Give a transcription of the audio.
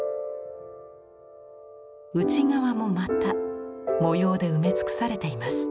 内側もまた模様で埋め尽くされています。